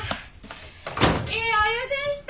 いいお湯でした。